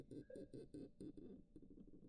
刚刺杜鹃为杜鹃花科杜鹃属下的一个种。